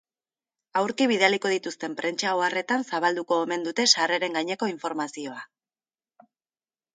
Aurki bidaliko dituzten prentsa-oharretan zabalduko omen dute sarreren gaineko informazioa.